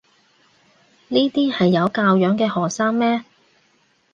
呢啲係有教養嘅學生咩？